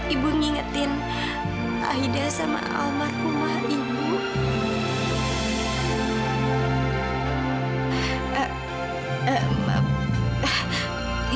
ibu ngingetin aida sama almarhumah ibu